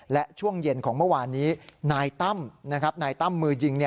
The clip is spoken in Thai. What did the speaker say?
และช่วงเย็นของเมื่อวานนี้นายตั้มนายตั้มมือยิง